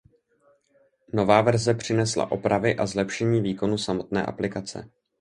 Nová verze přinesla opravy a zlepšení výkonu samotné aplikace.